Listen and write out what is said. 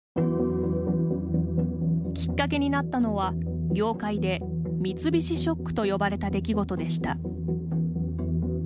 きっかけになったのは、業界で三菱ショックと呼ばれた出来事でした。